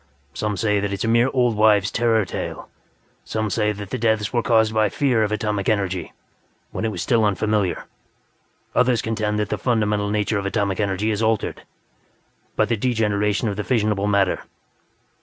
Some say that it is a mere old wives' terror tale; some say that the deaths were caused by fear of atomic energy, when it was still unfamiliar; others contend that the fundamental nature of atomic energy has altered by the degeneration of the fissionable matter.